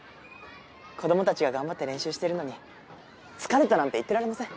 子供たちが頑張って練習してるのに疲れたなんて言ってられません。